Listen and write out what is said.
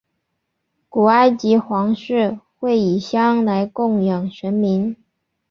古埃及皇室会以香来供养神明。